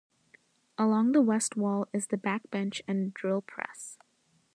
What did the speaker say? Along the west wall is the "back bench" and drill press.